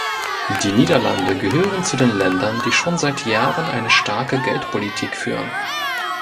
Die Niederlande gehören zu den Ländern, die schon seit Jahren eine starke Geldpolitik führen.